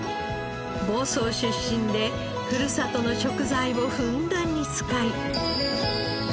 房総出身でふるさとの食材をふんだんに使い。